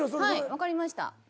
はいわかりました。